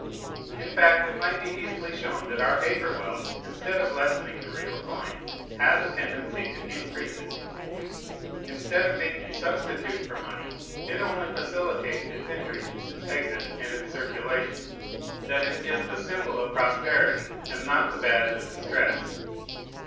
In fact, it might be easily shown that our paper wealth, instead of lessening the real coin, has a tendency to increase it, instead of being a substitute for money, it only facilitates its entry, its exit, and its circulation, that it is the symbol of prosperity, and not the badge of distress.